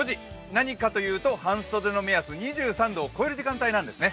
何かというと、半袖の目安２３度を超える時間帯なんですね。